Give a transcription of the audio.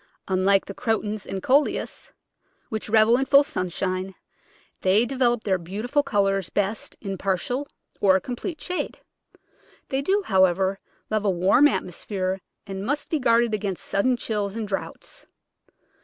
Unlike the Crotons and Coleus, which revel in full sunshine, they develop their beautiful colours best in partial or complete shade. They do, however, love a warm atmosphere and must be guarded against sudden chills and draughts.